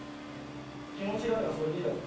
「気持ちがあればそれでいいだろ」